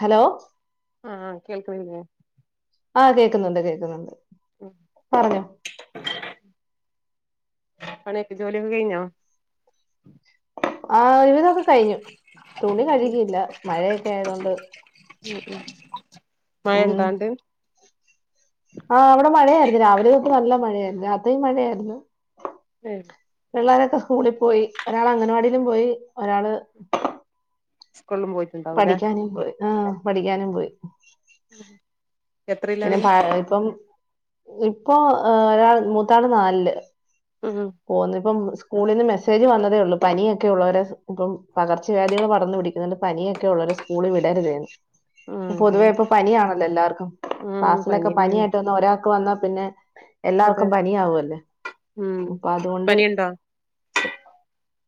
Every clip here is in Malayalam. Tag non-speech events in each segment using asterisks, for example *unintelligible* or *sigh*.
ഹലോ ആഹ് കേൾക്ക്‌ണില്ലേ ആഹ് കേൾക്ക്ന്ന്ണ്ട് കേക്ക്ന്ന്ണ്ട് ഉം പറഞ്ഞോ പണിയൊക്കെ ജോലിയോക്കെ കയിഞ്ഞോ ആ ഒരുവിധൊക്കെ കഴിഞ്ഞു തുണി കഴുകിയില്ല മഴയൊക്കെ ആയതൊണ്ട് മ്മ് മ്മ് മഴ ഇണ്ടോ ആണ്ട് ആഹ് ഇവിടെ മഴയായിര്ന്ന് രാവിലെ തൊട്ട് നല്ല മഴയായിര്ന്ന് രാത്രിയും മഴയായിരുന്നു ഉം പിള്ളേരൊക്കെ സ്കൂളി പോയി ഒരാൾ അംഗൻവാടിയിലും പോയി ഒരാള് സ്കൂൾ പോ പഠിക്കാനും പോയി ആ പഠിക്കാനും പോയി ഉം പിന്നെ പ ഇപ്പം ഇപ്പൊ ഒരാൾ മൂത്താള് നാല്ലില് ഉം ഓ ന്നിപ്പോ സ്കൂളിൽ നിന്ന് മെസ്സേജ് വന്നതേ ഉള്ളൂ പനിയൊക്കെ ഉള്ളവരെ ഇപ്പം പകർച്ചവ്യാധികൾ പടർന്ന് പിടി പനിയൊക്കെ ഉള്ളവരെ സ്കൂളിൽ വിടരുതെന്ന് ഉം പൊതുവെ ഉം ഇപ്പൊ പനിയാണല്ലോ എല്ലാർക്കും ഉം പനി ക്ലാസ്സിലൊക്കെ തന്നെയാണ് പനിയായിട്ട് വന്ന ഒരാ വന്നാ പിന്നെ അതെ എല്ലാർക്കും പനിയാവോല്ലേ അപ്പൊ അതോണ്ട് ഉ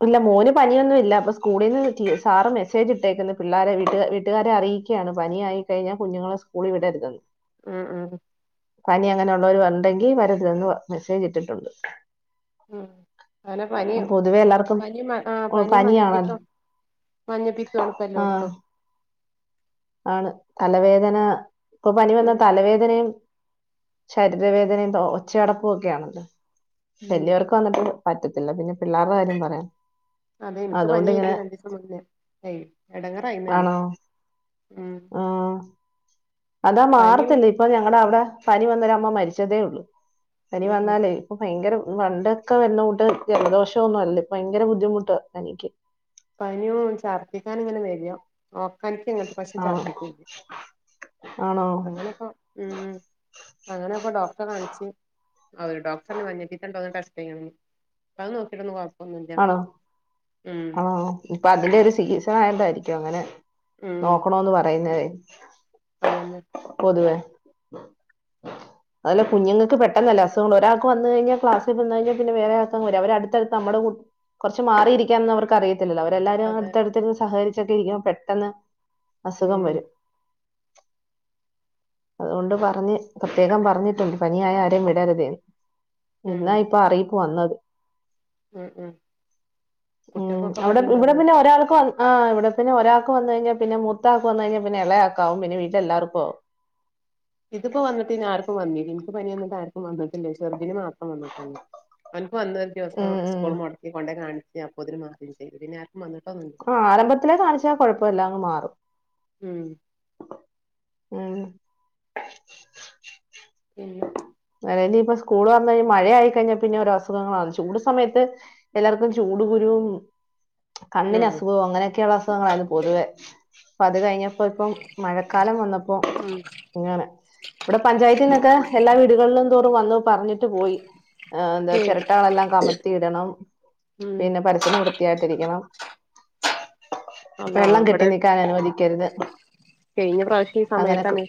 ഇല്ല മോന് പനിയൊന്നും ഇല്ല അപ്പൊ സ്കൂളിൽന്ന് സാറ് മെസ്സേജ് ഇട്ടേക്കന്ന് പിള്ളേരെ വീ വീട്ടുകാരെ അറിയി ക്കാണ് പനിയ ആയി കഴിഞ്ഞാ കുഞ്ഞുങ്ങളെ സ്കൂളി വിടരുതന്ന് ഉം ഉം പനി അങ്ങനെ ഉള്ളോരു ഉണ്ടെങ്കി വരര്തെന്ന് മെസ്സേജ് ഇട്ടിട്ടുണ്ട്. ഉം അങ്ങനെ അപ്പം പനിയും പൊതുവെ എല്ലാവർക്കും പനിയും ആ ഓ, പനിം പനിയാണല്ലോ മഞ്ഞപ്പിത്തോം മഞ്ഞപ്പീത്തോണ് ഇപ്പൊ ആ എല്ലോട്ത്തും ആണ് തലവേദന ഇപ്പൊ പനി വന്നാ ഉം തലവേ ദേനേം ശരീരവേദനേം ഒച്ചയടപ്പും ഒക്കെയാണല്ലോ. ഉം വലിയവർക്ക് വന്നിട്ട് പറ്റത്തില്ല പിന്നെ പിള്ളാര്ടെ കാര്യം പറയാ അതെ ഇനിക്ക് പനിയായിരുന്നു രണ്ടീസം മുന്നേ എടങ്ങറായിന്നു ഞാന് ആണോ ഉം ആഹ് അതാ പനിയും മാറത്തില്ലെ ഇപ്പൊ ഞങ്ങളെ അവിടെ പനി വന്നൊര അമ്മ മരിച്ചതേ ഒള്ളൂ പനി ഉം ഉം വന്നാലേ ഭയങ്കര വണ്ടൊക്കെ വരുന്നൊണ്ട് ജലദോഷം ഒന്നും അല്ലേ ഭയങ്കര ബുദ്ധിമുട്ട പനിക്ക് പനിയും ചർദിക്കാൻ ഇങ്ങനെ വര്യും ഓക്കാനിക്ക ഇങ്ങട്ട് പക്ഷെ ആണോ ചർദിക്കൂല്ല ആണോ അങ്ങനെപ്പ ഉം അങ്ങനെ ഇപ്പൊ ഡോക്ടറെ കാണിച്ച് അവ ഡോക്ടറ് പറഞ്ഞു മഞ്ഞപ്പിത്തം ഇണ്ടോ ടെസ്റ്റ്‌ റ്റെയണം അത് നോക്കിട്ടൊന്നും കൊഴ ആണോ ആഹ് ഇപ്പ അതിന്റെ ഒരു സീസൺ ആയണ്ടായിരിക്കും അങ്ങനെ ഉം നോക്കണോന്ന് പറയുന്നതേ അതന്നെ പൊതുവേ *inaudible* അല്ല കുഞ്ഞുങ്ങൾക്ക് പെട്ടെന്നല്ല അല്ലെ അസുഖം ഒരാൾക്ക് വന്ന് കഴിഞ്ഞാ ക്ലാസിൽ വന്ന് കഴിഞ്ഞാൽ പിന്നെ വേറെ ആൾക്ക വരും അവര് അടുത്ത് നമ്മ കൊർച്ച് മാറിയിരിക്കാന്ന് അവർക്ക് അറിയത്തില്ലോ അവരെല്ലാരും അതെ അടുത്തടുത്ത്ന്ന് സഹകരിച്ചൊക്കെ ഇരിക്കുമ്പ പെട്ടെന്ന് അസുഖം ഉം വരും അതുകൊണ്ട് പറഞ്ഞ് പ്രത്യേകം പറഞ്ഞിട്ടുണ്ട് പനിയായ ആരേം വിടരുതേ ഉം എന്നാ ഇപ്പൊ അറിയിപ്പ് വന്നത് ഉം ഉം ഉം കുട്ടികൾക്കൊക്കെ അവിടെ പനി ഇവിടെ ഉണ്ടാവേ പിന്നെ ഒരാൾക്ക് വന്ന ആഹ ഇവിടെ പിന്നെ ഒരാക്ക് വന്ന് കഴിഞ്ഞാ പിന്നെ മുത്താക്ക് വന്ന് കഴിഞ്ഞാ പിന്നെ എളായാക്കാവും പിന്നെ വീട്ടില്ലെല്ലാർക്കു ആവും ഇതിപ്പോ വന്നിട്ട് പിന്നെ ആർക്കും വന്നില്ല ഇൻക്ക് പനി വന്നിട്ടാർക്കും വന്ന്ട്ടില്ല ചെറുതിന്ന് മാ ത്രം വന്നിട്ടൊള്ളു അവൻക്ക് വന്നൊരു ദിവസം ഉം ഉം സ്കൂൾ മൊടക്കി കൊണ്ടെ കാണിച്ച് അപ്പോതിന് മാറിം ചെയ്തു പിന്നെ ആ ക്കും വന്നിട്ടൊന്നുല്ല ആഹ് ആരംഭത്തിലെ കാണിച്ചാ കൊഴപ്പമില്ല അങ്ങ് മാറും. ഉം ഉം പിന്നെ അതായിനി ഇപ്പൊ സ്കൂള് തൊർന്ന് കഴിഞ്ഞാൽ മഴയ ആയി കഴിഞ്ഞാൽ പിന്നെ ഒരോ അസുഖങ്ങളാണ് ചൂട് സമയത്ത് എല്ലർക്കും ചൂട് ഉം കുരുവും കണ്ണിന് ഉം അസുഖവും അങ്ങനെയൊക്കെയുള്ള അസുഖങ്ങളായിരുന്നു പൊതുവെ ഇപ്പ അത് കഴിഞ്ഞപ്പോ ഇപ്പം മഴക്കാലം വന്നപ്പോ ഉം അങ്ങനെ ഇവിടെ പഞ്ചായത്തിന്നൊക്കെ എല്ലാ വീടുകളിലും തോറും വന്ന് പറഞ്ഞി ട്ട് പോയി എന്താ ശരി ചെരട്ടകളെല്ലാം കമ ത്തിയിടണം ഉം പിന്നെ പരിസരം വൃത്തിയായിട്ടിരിക്കണം അള്ളാ വെള്ളം കെട്ടി ഇവിടെ നിൽക്കാൻ അനുവദിക്കരുത് കഴിഞ്ഞ പ്രാവിശ്യം ഈ അങ്ങനെയൊക്കെ സമയത്താണ്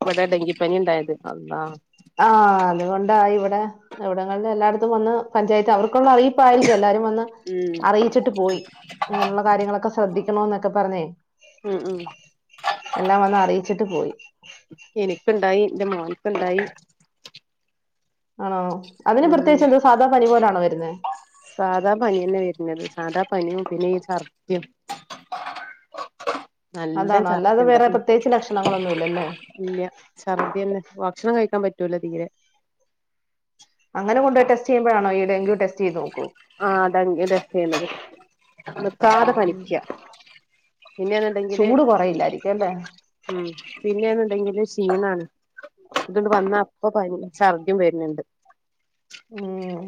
ഇവടെ ഡെങ്കിപനി ഇണ്ടായത് അള്ളാഹ് ആഹ് അതുകൊണ്ടാ ഇവടെ ഇവിടങ്ങളിൽ എല്ലായിടത്തും വന്ന് പഞ്ചായത്ത് അവർക്കുള്ള അറിയിപ്പായിരിക്കും എല്ലാരും വന്ന് ഉം അറിയിച്ചിട്ട് പോയി. ഇങ്ങനുള്ള കാര്യങ്ങളൊക്കെ ശ്രദ്ധിക്കണോന്നൊക്കെ പറഞ്ഞ് ഉം ഉം എല്ലാം വന്ന് അറിയിച്ചിട്ട് പോയി. എനിക്ക് ഇണ്ടായി. ഇന്റെ മോൻക്ക്ണ്ടായി. ആണോ. അതിന് ഉം പ്രത്യേകിച്ച് എന്താ സാധാ പനി പോലാണോ വരുന്നെ. സാധാ പന്യന്നെ വരുന്നത്. സാധാ പനിയും പിന്നെ ഈ ചർദി നല്ല അതാണോ അല്ലാതെ വേറെ ചർത്തിണ്ടാകും ഉം പ്രത്യേകിച്ച് ലക്ഷണങ്ങളൊന്നും ഇല്ലല്ലേ ഇല്ല ഛർദ്ദ്യന്നെ. ഭക്ഷണം കഴിക്കാൻ പറ്റൂല തീരെ. അങ്ങനെ കൊണ്ട് ടെസ്റ്റ് ചെയുമ്പയാണൊ ഈ ഡെങ്കു ടെസ്റ്റ് ചെയ്തു. ആഹ് അതങ്കി ടെസ്റ്റ്‌ ചെയുന്നത്. നിർത്താതെ പനിക്ക്യ പിന്നേന്ന്ണ്ടെങ്കില് ചൂട് കുറയില്ലായിരിക്കും അല്ലേ ഉം പിന്നേന്ന്ണ്ടെങ്കില് ക്ഷീണാണ്. ഇതുകൊണ്ട് വന്ന അപ്പം പനി ഛർദിം വര്ന്ന്ണ്ട്. ഉം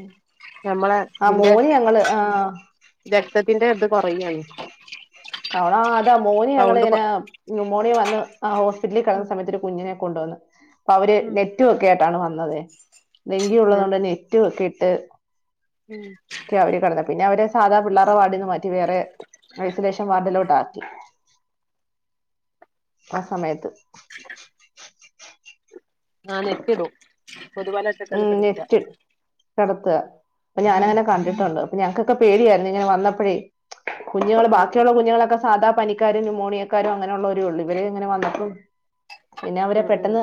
ആ ഇതിന്റെ മോന് ഞങ്ങൾ ആഹ്. രക്തത്തിന്റെ ഇത് കൊറയാണ്. കവറാ ഇതാ മോൻ ഞങ്ങള് സൗണ്ട് കൊ ഇങ്ങനെ നിമോണിയ വന്ന് ആ ഹോസ്പിറ്റ്ലി കെട്ന്ന സമയത്ത് ഒരു കുഞ്ഞിനെ കൊണ്ടോന്നെ. അപ്പം അവര് ഉം നെറ്റ് കേട്ടാണ് വന്നത്. ലെങ്കിയുള്ള ഉം തോണ്ടെന്നെ റ്റു കിട്ട് ഉം ക്കെ അവര് കടന്നെ. പിന്നെ അവരെ സാധാ പിള്ളേറെ വാർഡിന്ന് മാറ്റി വേറെ ഐസൊലേഷൻ അതിലോട്ട് ആക്കി. ആ സമയത്ത്. ആ നെറ്റ് ഇടും. കൊതുവല ഉം നെറ്റ് കടത്ത. അപ്പ ഉം ഞാനങ്ങനെ കണ്ട കണ്ടിട്ടുണ്ട്. അപ്പൊ ഞങ്ക്കൊക്കെ പേര് വര്നം. ഇങ്ങനെ വന്നപ്പഴെ കുഞ്ഞുങ്ങൾ ഉം ബാക്കിയുള്ള കുഞ്ഞുങ്ങളൊക്കെ സാധാ പനിക്കാരും ന്യൂമോണിയക്കാരും അങ്ങനെ ഉള്ളോരോ ഒള്ളു. ഇവര് ഇങ്ങനെ വന്നപ്പം പിന്നെ അവരെ ഉം ഉം ഉം പെട്ടെന്ന്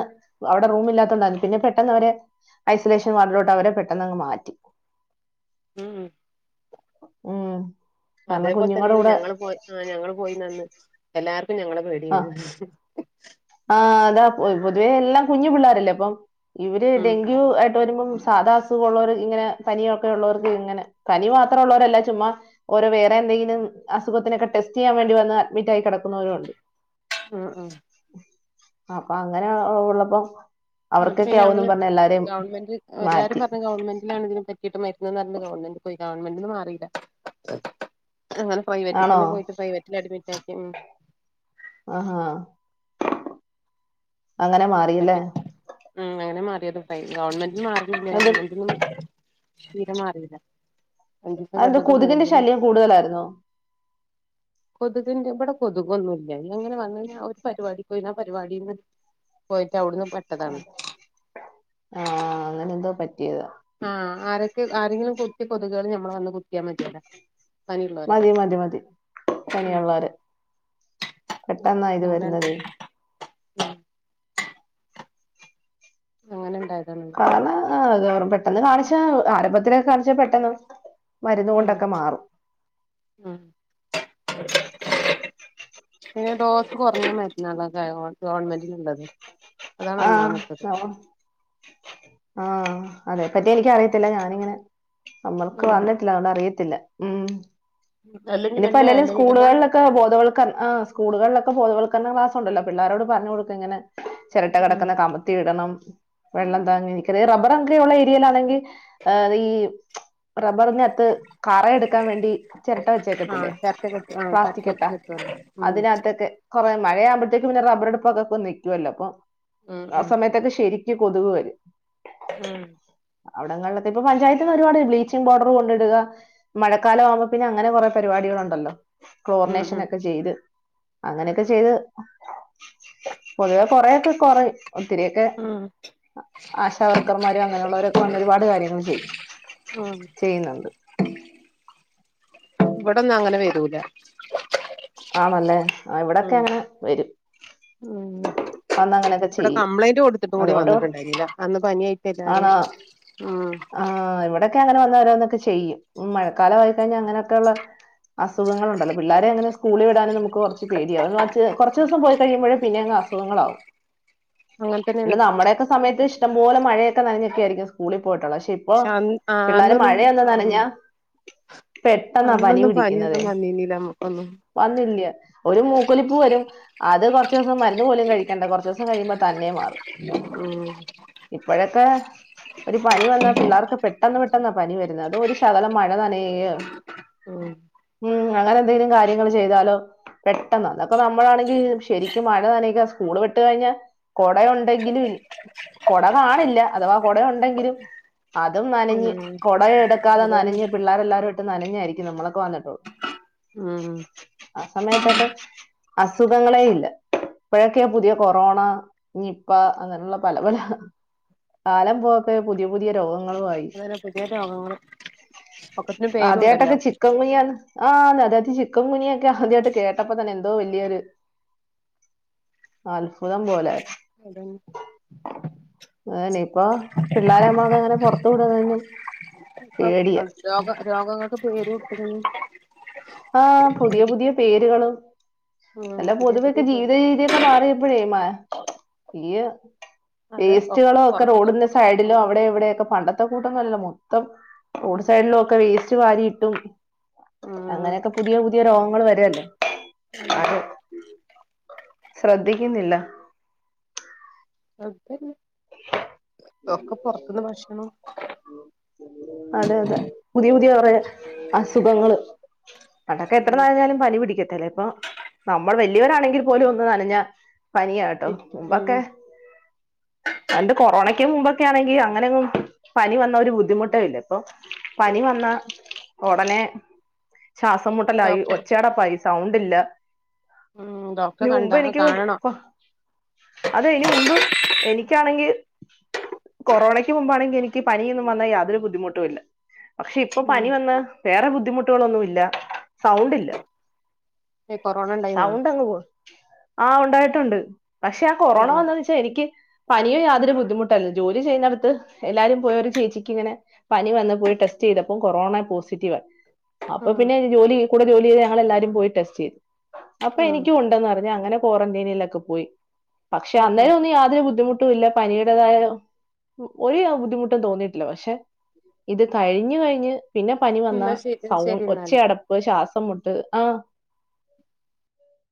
അവിടെ റൂമില്ലാത്തോണ്ടാണ്. പിന്നെ പെട്ടെന്ന് അവരെ ഐസൊലേഷൻ വാർഡിലോട്ട് അവരെ പെട്ടെന്നങ്ങ് മാറ്റി. ഉം ഉം കാരണം കുഞ്ഞുങ്ങളുടെ അതേപോലെത്തന്നേണ്. കൂടെ ഞങ്ങള് പോയി ആ ഞങ്ങള് പോയിന്നന്ന്. എല്ലാർക്കും ഞങ്ങളെ പേടിയേരുന്ന്. ആഹ് അതാ പൊതുവെ എല്ലാം കുഞ്ഞി പിള്ളേരല്ലെ അപ്പം. ഇവര് ഉം ഡെങ്ക്യു ആയിട്ട് വരുമ്പം സാധാ അസുഖള്ളോർ ഇങ്ങനെ. പനിയൊക്കെ ഉള്ളോർക്ക് ഇങ്ങനെ. പനി മാത്രം ഉള്ളോരല്ല ചുമ്മാ ഓരോ വേറെ എന്തെങ്കിലും അസുഖത്തിനൊക്കെ ടെസ്റ്റെയ്യാൻ വേണ്ടി വന്ന് അഡ്മിറ്റായി കെടക്കുന്നവരും ഉണ്ട്. അഹ് ആഹ്. അപ്പം അങ്ങനെ ഓ ഉള്ളപ്പം. ഇന്നട്ട് അവർക്കൊക്കെ പിന്നെ ആവുമെന്നും അന്ന് പറഞ്ഞ് എല്ലാരെയും ഗവൺമെന്റ് എല്ലാരും മാറ്റി പറഞ് ഗവൺമെന്റിലാണ് ഇതിന് പ കിട്ടും മരുന്ന്ന്ന് പറഞ്ഞ് ഗവൺമെന്റ് പോയി. ഗവൺമെന്റ് ന്ന് മാറീല്ല അങ്ങനെ ആണോ പ്രൈവറ്റിൽത്തന്നെ പോയിട്ട് പ്രൈവറ്റില് അഡ്മിറ്റ് ആക്കി ഉം. ആഹാ അങ്ങനെ മാ മറ്റെ ഹ് അങ്ങനെ മാറിയത് ഫൈൻ ഗവൺമെന്റ് ന്ന് അത് മാറീല്ല. തീരെ മാറീല്ല. അഞ്ചീസം അതെന്താ കെട്ന്നിട്ടും കൊതുകിന്റെ കൂടിന്ന് ശല്യം കൂടുതലായിരുന്നോ? കൊതുകിന്റെ ഇബെടെ കൊതുകൊന്നുല്ല. ഇഞ്ഞ് അങ്ങനെ വന്നയിഞ്ഞാ ഒരു പരിപാടിക്ക് പോയിന് ആ പരിപാടീന്ന് പോയിട്ട് അവ്ട്ന്ന് പെട്ടതാണ്. ആഹ് അങ്ങനെ എന്തോ പറ്റിയതാ ആഹ് ആരൊക്കെ ആരെങ്കിലും കുത്തിയ കൊതുകുകള് ഞമ്മളെ വന്ന് കുത്തിയാ മതിയോലെ മതി മതി മതി പനിയുള്ളവരെ പെട്ടെന്നാ ഇത് അങ്ങനെ വരുന്നതേ ഉം അങ്ങനെ ഇണ്ടായതാണ് കാരണം ഗവർ പെട്ടെന്ന് കാണിച്ച ആരംഭത്തിലൊക്കെ കാണിച്ചാ പെട്ടെന്ന് ഉം മരുന്നുകൊണ്ടൊക്കെ മാറും ഉം പിന്നെ ഡോസ് കുറഞ്ഞ മരുന്നകളൊക്കെണ് ഗവൺമെന്റിൽ ഇള്ളത് ആഹ് ആവോ ആഹ് അതെ പറ്റി എനിക്കറിയത്തില്ല ഞാനിങ്ങനെ നമ്മൾക്ക് ഉം വന്നിട്ടില്ല അഓണ്ട് അറിയത്തില്ല ഉം അല്ലെങ്കിൽ ഇനിപ്പോ അല്ലേ എല്ലലും അല്ലെങ്കി എല്ലാം സ്കൂളുകളിലൊ ക്കെ ബോധവൽക അഹ് സ്കൂളുകളിലൊക്കെ ബോധവൽക്കരണ ക്ലാസ് ഉണ്ടല്ലോ പിള്ളോരോട് പറഞ്ഞ് കൊടുക്ക് ഇങ്ങനെ ചിരട്ട ഉം കിടക്കുന്ന കമത്തിയിടണം വെള്ളം താങ്ങി നിക്കറ റബ്ബർ അങ്ങനെയുള്ള ഏരിയയിലാണെങ്കി ഏഹ് അത് ഈ റബ്ബറിനകത്ത് കറയെടുക്കാൻ വേണ്ടി ചിരട്ട ആഹ് വെച്ചേക്കത്തില്ലേ ചർക്ക കെട്ടി ആഹ് ചർക്ക വെച്ച് പ്ലാസ്റ്റിക്കെട്ടാ കെട്ടുവല്ലോ ഉം അതിനകത്തൊക്കെ കൊറെ മഴയാമ്പോത്തേക്ക് പിന്നെ റബറെടുപ്പൊക്കെ ഇപ്പം നിക്കുവല്ലോ പ്പൊ ഉം ആ ഉം സമയത്തൊക്കെ ശെരിക്ക് കൊതുക് വരും ഉം അവിടെങ്ങളിലത്തെ ഇപ്പ പഞ്ചായത്തിന്ന് ഒരുപാട് ബ്ലീച്ചിംങ് പൗഡറ് കൊണ്ടിടുക മഴക്കാലം ആവുമ്പോ പിന്നെ അങ്ങനെ കൊറെ പരിപാടികളുണ്ടല്ലോ ഉം ക്ലോറിനേഷനൊക്കെ ചെയ്ത് അങ്ങനെയൊക്കെ ചെയ്ത് പൊതുവെ കൊറേക്കെ കൊറയു ഒത്തിരിയൊക്കെ ഉം ഉം ആശാവർക്കർമാരും അങ്ങനെയുള്ളവരൊക്കെ വന്ന് ഒരുപാട് കാര്യങ്ങൾ ചെയും ഉം ചെയ്യുന്നുണ്ട് ഇവിടൊന്നും അങ്ങനെ വരൂല ആണല്ലേ ആഹ് ഇവിടൊക്കെ അങ്ങനെ വരും ഉം വന്ന് അങ്ങനെയൊക്കെ ഇവിടെ ചെയ്യും കംപ്ലൈന്റ് കൊടുത്തിട്ടും കൂടി അതുകൊണ്ട് വന്നിട്ടുണ്ടായിരില്ല അന്ന് പനിയായിട്ട് എല്ലാരും ഉം ആഹ് ഇവിടെയൊക്കെ അങ്ങനെ വന്നവരോന്നൊക്കെ ചെയ്യും മഴക്കാലംമായിക്കഴിഞ്ഞാൽ അങ്ങനെയൊക്കെള്ള അസുഖങ്ങളുണ്ടല്ലോ പിള്ളാരെ അങ്ങനെ സ്കൂളി വിടാനും നമുക്ക് കുറച്ച് പേടിയാവും *unintelligible* കൊർച്ചോസം പോയി കഴിയ്മ്പഴും പിന്നെ അസുഖങ്ങളാവും അങ്ങനെ പിന്നെ തന്നെയാണ് നമ്മുടെക്കെ സമയത്ത് ഇഷ്ടം പോലെ മഴയൊക്കെ നനഞ്ഞൊക്കെ ആയിരിക്കും സ്കൂളി പോയിട്ടുള്ളത് പക്ഷെ ഇപ്പൊ അന്ന് ആ പിള്ളേർ അന്നൊന്നും മഴയൊന്നും നനഞ്ഞ പെട്ടെന്ന പനി അന്നൊന്നും പിടിക്കുന്നത് പനിയൊന്നും വന്നീന്നില്ല നമ്മുക്കൊന്നും വന്നില്ല ഒരു മൂക്കൊലി പ്പ് വരും അത് കൊർച്ചോസം മരുന്ന് പോലും കഴിക്കേണ്ട കൊർചോസം കഴിയുമ്പോ തന്നെ മാറും ഉം ഇപ്പഴത്തെ ഒരു പനി വന്നാ പിള്ളേർക്ക് പെട്ടെന്ന് പെട്ടെന്നാ പനി വരുന്നത് അത് ഒരു ശകലം മഴ നനയു കയോ ഉം ഉം അങ്ങനെ എന്തെങ്കിലും കാര്യങ്ങൾ ചെയ്താലോ പെട്ടെന്ന് അന്നൊക്കെ നമ്മളാണെങ്കി ശരിക്കും മഴ നനയ്ക സ്കൂള് വിട്ട് കഴിഞ്ഞാ കുട ഉണ്ടെങ്കിലും കൊട കാണില്ല അഥവാ കൊടയു *unintelligible* അതും നനഞ്ഞ് ഉം കൊട എടുക്കാതെ അതന്നെ നനഞ്ഞ് പിള്ളേരെല്ലാരു ട്ട് നനഞ്ഞായിരിക്കും നമ്മളൊക്കെ വന്നിട്ടുള്ളൂ ഉം ആ സമയത്തൊക്കെ അസുഖങ്ങളേ ഇല്ല ഇപ്പഴൊക്കെയ പുതിയ കൊറോണ നിപ്പ അങ്ങനെയുള്ള പല പല കാലം പോ ക്കെ പുതിയ പുതിയ രോഗങ്ങളു ആയി അതനെ പുതിയ രോഗങ്ങൾ ഒക്കത്തിന് പേരുണ്ടല്ലോ ആദ്യമായിട്ടൊക്കെ ചിക്കൻ ഗുനിയ ആ അതത് ചിക്കൻഗുനിയൊക്കെ ആദ്യമായിട്ട് കേട്ടപ്പോ തെ എന്തോ വലിയൊരു അത്ഭുതം പോലെ അതന്നെ അതന്നെ ഇപ്പൊ പിള്ളേരെ നമ്മക്ക് അങ്ങനെ പുറത്തു വിടുന്നതിനും ഇപ്പൊ പേടിയാ രോഗ രോഗങ്ങൾക്ക് പേര്ട്ടുന്നു ആഹ് പുതിയ പുതിയ പേരുകളും ഉം നല്ല പുതിയ പൊതുവെക്കെ പുതിയ പേര് ജീവിത രീതിയൊക്കെ മാറിയപ്പോഴേ മാ ഈ അതെ വേസ്റ്റുകളോ ഒക്കെ പൊറത്തല്ലേ റോഡിന്റെ സൈഡിലോ അവിടെ ഇവിടെക്കെ പണ്ട കൂട്ടന്നല്ല മൊത്തം റോഡ് സൈഡിലും ഒക്കെ വേസ്റ്റ് വരിയിട്ടും ഉം അങ്ങനെയൊക്കെ പുതിയ പുതിയ രോഗങ്ങൾ വരല്ലേ അതെ ശ്രദ്ധിക്കുന്നില്ല അതന്നെ ഒക്കെ പുറത്തുന്ന് ഭക്ഷണ അതെ അതെ പുതിയ പുതിയ അസുഖങ്ങള് പണ്ടൊക്കെ എത്ര ഉം നനഞ്ഞാലും പനി പിടിക്കത്തല്ലേ ഇപ്പൊ നമ്മൾ വലിയവരാണെങ്കിൽ പോലും ഒന്ന് നനഞ്ഞ പനിയ കേട്ടോ പി ഉം മുമ്പൊക്കെ പണ്ട് കൊറോണയ്ക്ക് മുമ്പൊക്കെ ആണെങ്കി അങ്ങനെയങ്ങും പനി വന്ന ഒരു ബുദ്ധിമുട്ട ഇല്ല പ്പോ പനി വന്ന ഉടനെ ശ്വാസം മുട്ടലായി ഡോക്ടർ ഒച്ചടപ്പായി സൗണ്ടല്ല ഉം ഡോക്ടറെ ഇതിന് മുമ്പ് കണ്ടാ എനിക്ക് കാണണം അത് അയ്ന് മുമ്പ് എനിക്കാണെങ്കിൽ കൊറോണക്ക് മുമ്പാണെങ്കിൽ എനിക്ക് പനിയൊന്നും വന്നാൽ യാതൊരു ബുദ്ധിമുട്ടും ഇല്ല പക്ഷെ ഇപ്പൊ ഉം പനി വന്ന് വേറെ ബുദ്ധിമുട്ടുകളൊന്നുമില്ല സൗണ്ടില്ല ഏ കൊറോണ ഇണ്ടായിന്നാ സൗണ്ട് അങ്ങ് പോ ആഹ ഉണ്ടായിട്ടുണ്ട് പക്ഷേ ആഹ് ഏ കൊറോണ വന്ന പക്ഷെ എനിക്ക് പനിയും യാതൊരുദ്ധിമുട്ടായി ജോലി ചെയ്യുന്നടുത്ത് എല്ലാരും പോയര് ചേച്ചിക്ക് ഇങ്ങനെ പനി വന്നു പോയി ടെസ്റ്റ് ചെയ്തപ്പോ കൊറോണ പോസിറ്റീവ് ആ അപ്പൊ ഉം പിന്നെ ജോലി കൂടെ ജോലി ചെയ്ത് ഞങ്ങൾ എല്ലാരും പോയി ടെസ്റ്റ് ചെയ്തു അപ്പൊ ഉം എനിക്കും ഉണ്ടെന്ന് അറിഞ്ഞ അങ്ങനെ ക്വാറന്റൈനിലൊക്കെ പോയി പക്ഷേ ഉം ഉം അന്നേരം യാതൊരു ബുദ്ധിമുട്ട് ല്ല പനിയുടതായ ഒരു ബുദ്ധിമുട്ട് തോന്നിയിട്ടില്ല പക്ഷെ ഇത് കഴിഞ്ഞു കഴിഞ്ഞ് പിന്നെ പനി വന്ന എന്നാ ശരി സൗണ്ട് ശരി എന്നാല് ഒച്ചട ഇപ്പൊ ശ്വാസം മുട്ട് ആഹ്